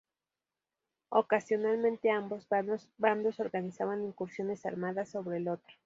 Ocasionalmente ambos bandos organizaban incursiones armadas sobre el otro.